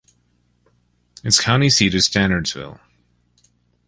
Its county seat is Stanardsville.